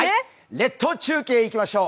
列島中継いきましょう。